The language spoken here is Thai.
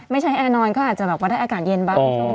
ไม่ใช่แอร์นอนก็อาจจะแบบว่าถ้าอากาศเย็นบ้าง